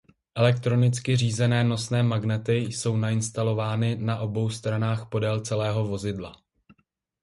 Elektronicky řízené nosné magnety jsou nainstalovány na obou stranách podél celého vozidla.